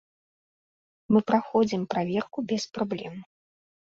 Мы праходзім праверку без праблем.